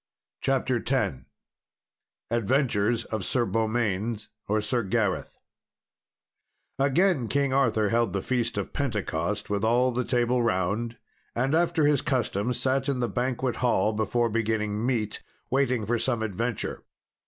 CHAPTER X Adventures of Sir Beaumains or Sir Gareth Again King Arthur held the Feast of Pentecost, with all the Table Round, and after his custom sat in the banquet hall, before beginning meat, waiting for some adventure.